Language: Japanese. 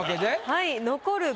はい。